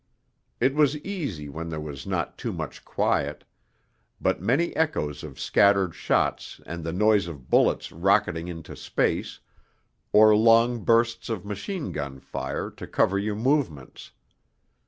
It was easy when there was not too much quiet, but many echoes of scattered shots and the noise of bullets rocketing into space, or long bursts of machine gun fire, to cover your movements.